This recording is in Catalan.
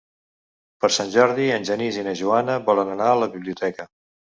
Per Sant Jordi en Genís i na Joana volen anar a la biblioteca.